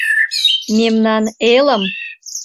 Мемнан элым